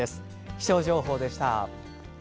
気象情報でした。